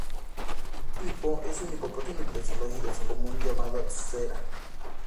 Hippo es un hipopótamo de zoológico común llamado "Sra.